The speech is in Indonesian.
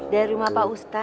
darumah pak ustadz